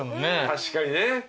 確かにね。